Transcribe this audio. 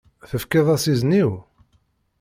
Tefkiḍ-as izen-iw?